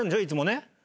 いつも。